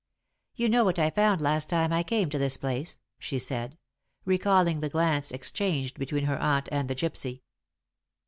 "You know what I found last time I came to this place?" she said, recalling the glance exchanged between her aunt and the gypsy.